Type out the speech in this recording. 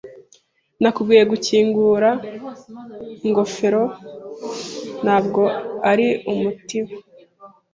Nakubwiye gukingura ingofero, ntabwo ari umutiba.